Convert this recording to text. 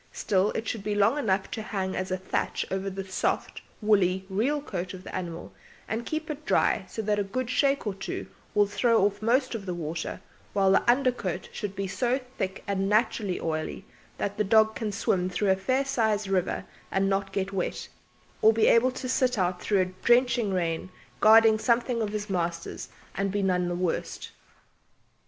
Still, it should be long enough to hang as a thatch over the soft, woolly real coat of the animal and keep it dry so that a good shake or two will throw off most of the water; while the under coat should be so thick and naturally oily that the dog can swim through a fair sized river and not get wet, or be able to sit out through a drenching rain guarding something of his master's and be none the worse.